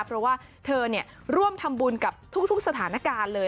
เพราะว่าเธอร่วมทำบุญกับทุกสถานการณ์เลย